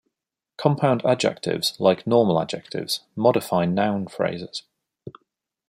Compound adjectives, like normal adjectives, modify noun phrases.